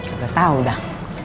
udah tau dah